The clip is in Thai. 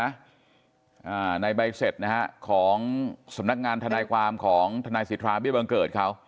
อ่าในใบเสร็จนะฮะของสำนักงานทนายความของทนายสิทธาเบี้ยบังเกิดเขา